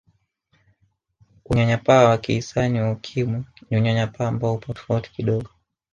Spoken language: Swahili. Unyanyapaa wa kihisani wa Ukimwi ni Unyanyapaa ambao upo tofauti kidogo